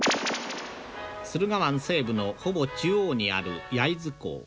駿河湾西部のほぼ中央にある焼津港。